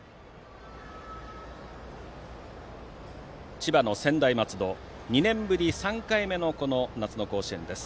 千葉の専大松戸は２年ぶり３回目の夏の甲子園です。